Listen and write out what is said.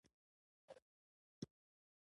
مچمچۍ خپل کار ته ژمنه ده